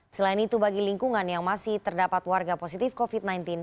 selain itu bagi lingkungan yang masih terdapat warga positif covid sembilan belas